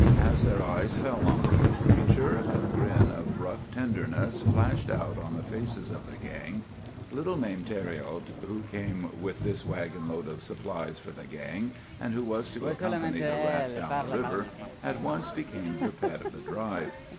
"As their eyes fell on the little creature a grin of rough tenderness flashed out on the faces of the gang. Little Mame Thériault, who came with this wagon load of supplies for the gang, and who was to accompany the raft down the river, at once became the pet of the drive.